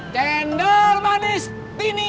cendol manis tini